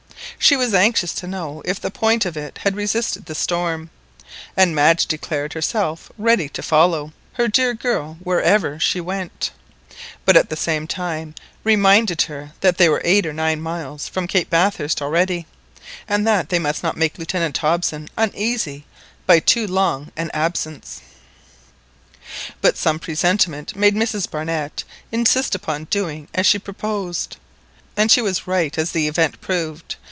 She was anxious to know if the point of it had resisted the storm, and Madge declared herself ready to follow "her dear girl" wherever she went, but at the same time reminded her that they were eight or nine miles from Cape Bathurst already, and that they must not make Lieutenant Hobson uneasy by too long an absence. But some presentiment made Mrs Barnett insist upon doing as she proposed, and she was right, as the event proved.